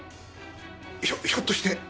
ひょひょっとして。